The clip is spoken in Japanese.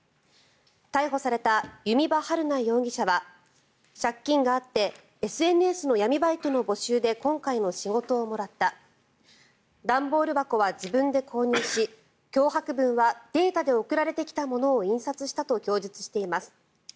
逮捕された弓場晴菜容疑者は借金があってＳＮＳの闇バイトの募集で今回の仕事をもらった段ボール箱は自分で購入し脅迫文はデータで送られてきたものを印刷したと供述しています。